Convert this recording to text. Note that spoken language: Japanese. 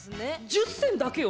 １０選だけよ？